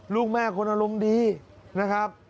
ลูกแม่คนอารมณ์ดีนะครับ